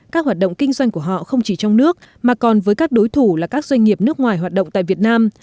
các hoạt động kinh doanh của họ không chỉ trong nước mà còn với các đối thủ là các doanh nghiệp nước ngoài hoạt động tại việt nam